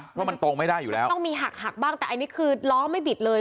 เพราะมันตรงไม่ได้อยู่แล้วต้องมีหักหักบ้างแต่อันนี้คือล้อไม่บิดเลย